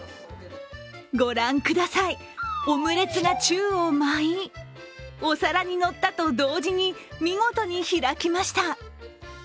ご覧ください、オムレツが宙を舞い、お皿にのったと同時に見事に開きました。